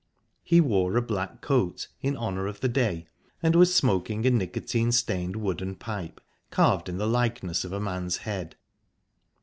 He wore a black coat, in honour of the day, and was smoking a nicotine stained wooden pipe carved in the likeness of a man's head.